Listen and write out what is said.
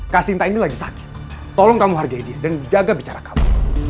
kasinta ini lagi sakit tolong kamu hargai dia dan jaga bicara kamu